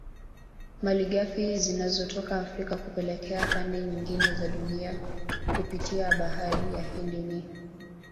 Malighafi zinazotoka Afrika kuelekea pande nyingine za Dunia kupitia bahari ya Hindi ni